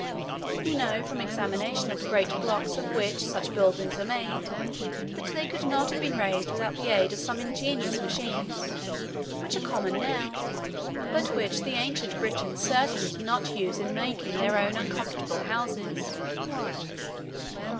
We know, from examination of the great blocks of which such buildings are made, that they could not have been raised without the aid of some ingenious machines, which are common now, but which the ancient Britons certainly did not use in making their own uncomfortable houses.